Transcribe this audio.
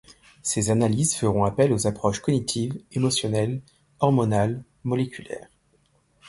Ces analyses feront appel aux approches cognitives, émotionnelles, hormonales, moléculaires.